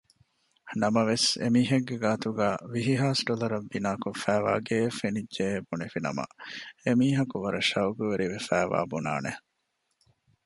ނަމަވެސް އެމީހެއްގެ ގާތުގައި ވިހިހާސް ޑޮލަރަށް ބިނާކޮށްފައިވާ ގެއެއް ފެނިއްޖެއޭ ބުނެފިނަމަ އެމީހަކު ވަރަށް ޝައުގުވެރިވެފައިވާ ބުނާނެ